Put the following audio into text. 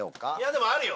でもあるよ！